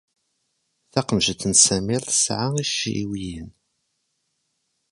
Taqemjet n Samir tesɛa iciwiyen.